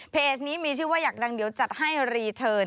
นี้มีชื่อว่าอยากดังเดี๋ยวจัดให้รีเทิร์น